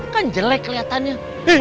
kan jelek keliatannya